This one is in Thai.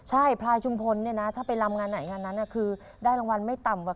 ใช่พลายชุมพลเนี่ยนะถ้าไปรำงานไหนงานนั้นคือได้รางวัลไม่ต่ำกว่า